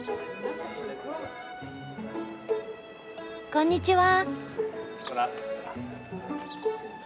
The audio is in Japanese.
こんにちは。